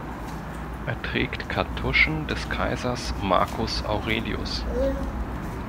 Er trägt Kartuschen des Kaisers Marcus Aurelius.